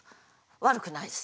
悪くないです。